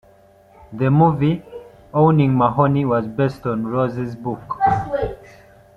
The movie "Owning Mahowny" was based on Ross's book.